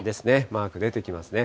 マーク出てきますね。